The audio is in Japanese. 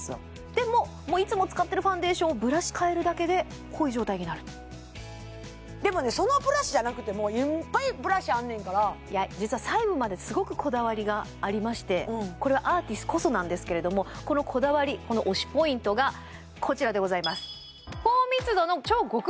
でもいつも使ってるファンデーションをブラシ替えるだけでこういう状態になるでもねそのブラシじゃなくてもいっぱいブラシあんねんからいや実は細部まですごくこだわりがありましてこれはアーティスこそなんですけれどもこのこだわり推しＰｏｉｎｔ！がこちらでございます